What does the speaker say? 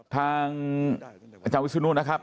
ทางอาจารย์วิทยุนู้นนะครับ